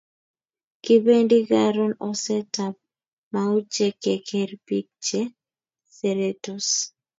Kipendi karun oset ab mauche keker pik che seretos